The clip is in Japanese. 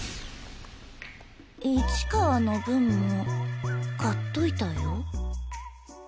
「市川の分も買っといたよ」？